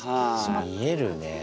見えるね。